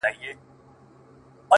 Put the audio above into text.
o لكه سپوږمۍ چي ترنده ونيسي،